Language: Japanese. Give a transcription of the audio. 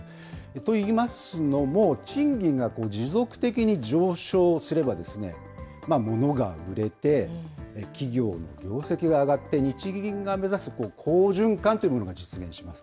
といいますのも、賃金が持続的に上昇すれば、ものが売れて、企業の業績が上がって、日銀が目指す好循環というものが実現します。